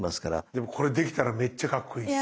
でもこれできたらめっちゃかっこいい。